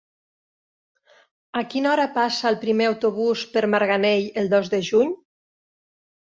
A quina hora passa el primer autobús per Marganell el dos de juny?